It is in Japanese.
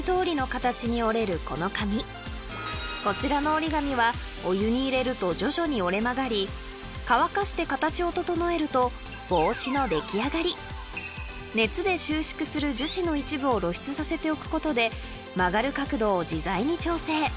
こちらの折り紙はお湯に入れると徐々に折れ曲がり乾かして形を整えると帽子の出来上がり熱で収縮する樹脂の一部を露出させておくことで曲がる角度を自在に調整